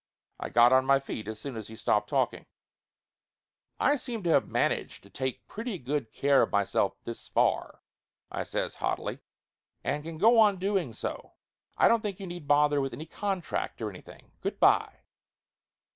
I got on my feet as soon as he stopped talking. "I seem to of managed to take pretty good care of myself this far," I says haughtily, "and can go on doing so. I don't think you need bother with any contract or anything. Good by !"